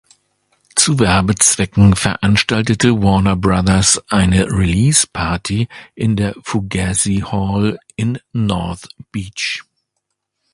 Zu Werbezwecken veranstaltete Warner Brother eine Release-Party in der Fugazi Hall in North Beach.